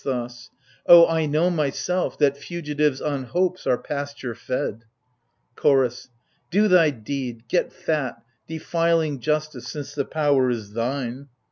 147 AIGISTHOS. O, I know, myself, that fugitives on hopes are pasture fed! CHORDS. Do thy deed, get fat, defiling justice, since the power is thine